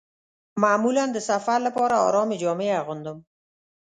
معمولاً د سفر لپاره ارامې جامې اغوندم.